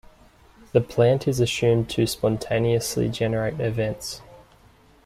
The plant is assumed to spontaneously generate events.